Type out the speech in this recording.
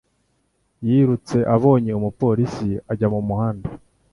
Yirutse abonye umupolisi ajya mu muhanda.